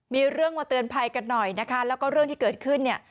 มีเรื่องมาเตือนภัยกันหน่อยนะคะแล้วก็เรื่องที่เกิดขึ้นเนี่ย